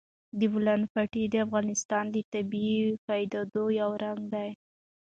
د بولان پټي د افغانستان د طبیعي پدیدو یو رنګ دی.